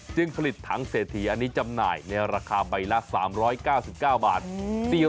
ผลิตถังเศรษฐีอันนี้จำหน่ายในราคาใบละ๓๙๙บาท